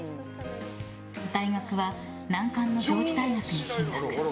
大学は難関の上智大学に進学。